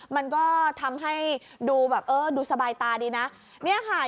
มันก็ทำให้ดูแบบเออดูสบายตาดีนะเนี่ยค่ะ